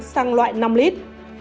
xăng loại năm lít